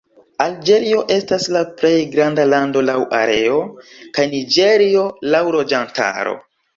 Alĝerio estas la plej granda lando laŭ areo, kaj Niĝerio laŭ loĝantaro.